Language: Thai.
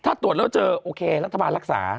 ถ้าตรวจแล้วเจอโอเครัฐบาลรักษา